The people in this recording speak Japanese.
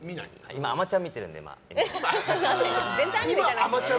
今、「あまちゃん」を見てるの？